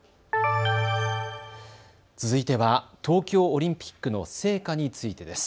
続いては東京オリンピックの聖火についてです。